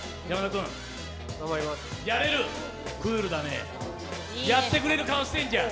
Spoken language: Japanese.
クールだね、やってくれる顔してんじゃん。